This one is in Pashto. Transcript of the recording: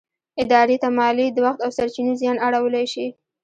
ادارې ته مالي، د وخت او سرچينو زیان اړولی شي.